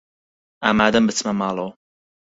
ئامادەم بچمە ماڵەوە.